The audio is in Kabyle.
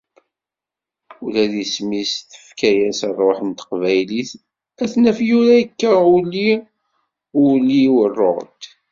ula d isem-is tefka-as rruḥ n Teqbaylit, ad t-naf yura akka Uli ul-iw Rohde.